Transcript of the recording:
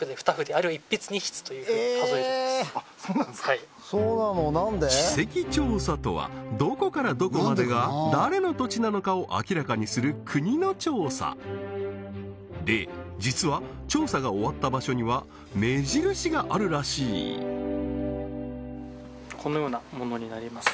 はい地籍調査とはどこからどこまでが誰の土地なのかを明らかにする国の調査で実は調査が終わった場所には目印があるらしいこのようなものになります